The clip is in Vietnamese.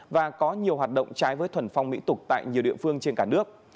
và có nhiều hoạt động trái với thuần phong mỹ tục tại nhiều địa phương trên cả nước